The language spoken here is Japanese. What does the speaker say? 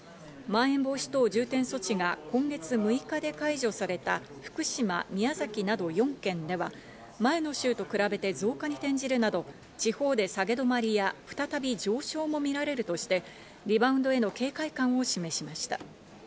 まん延防止等重点措置が今月６日で解除された福島、宮崎など４県では、前の週と比べて増加に転じるなど、地方で下げ止まりや、再び上昇も見られるとして、リバウンドへの警戒感を示しました。